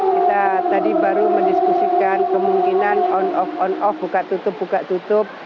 kita tadi baru mendiskusikan kemungkinan on off on off buka tutup buka tutup